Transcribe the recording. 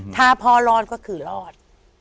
ถ้าพ่อรอดก็คือรอด